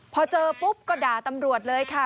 พอเจอปุ๊บก็ด่าตำรวจเลยค่ะ